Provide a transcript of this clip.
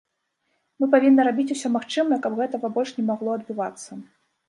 Мы павінны рабіць усё магчымае, каб гэтага больш не магло адбывацца.